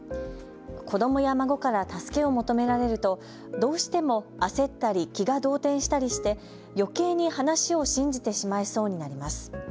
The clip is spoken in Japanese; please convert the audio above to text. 子どもや孫から助けを求められるとどうしても焦ったり気が動転したりして、よけいに話を信じてしまいそうになります。